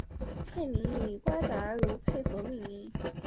县名以瓜达卢佩河命名。